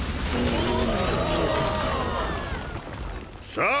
さあ